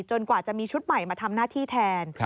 กว่าจะมีชุดใหม่มาทำหน้าที่แทน